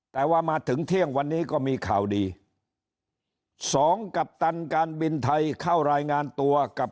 แต่ว่ามาถึงเที่ยงวันนี้ก็มีข่าวดีสองกัปตันการบินไทยเข้ารายงานตัวกับ